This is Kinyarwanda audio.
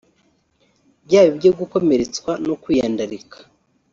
byaba ibyo gukomeretswa no kwiyandarika